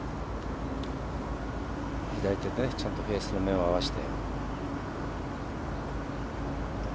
左手、ちゃんとフェースに合わせて。